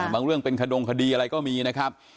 เรื่องเป็นขดงคดีอะไรก็มีนะครับ